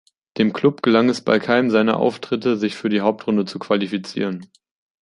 Dem Klub gelang es bei keinem seiner Auftritte, sich für die Hauptrunde zu qualifizieren.